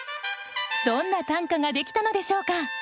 どんな短歌ができたのでしょうか。